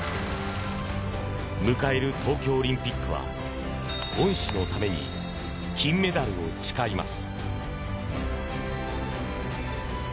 迎える東京オリンピックは恩師のために金メダルを誓います。